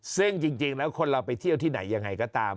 ซึ่งจริงแล้วคนเราไปเที่ยวที่ไหนยังไงก็ตาม